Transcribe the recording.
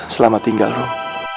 selamat tinggal rom